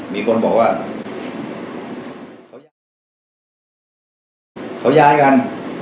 มีคนบอกว่าเขาย้ายกัน